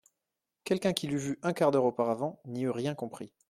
Quelqu'un qui l'eût vue un quart d'heure auparavant n'y eût rien compris.